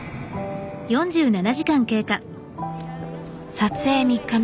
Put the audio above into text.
撮影３日目。